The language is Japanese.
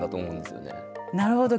なるほど。